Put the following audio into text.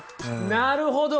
なるほど！